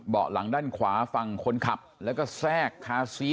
เบาะหลังด้านขวาฝั่งคนขับแล้วก็แทรกคาซี